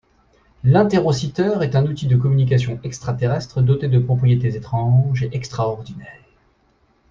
L'interociteur est un outil de communications extra-terrestres doté de propriétés étranges et extraordinaires.